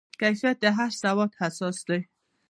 کیفیت د هرې سودا اساس دی.